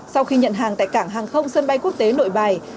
sau khi nhận hàng tại cảng hàng không sân bay quốc tế nội bài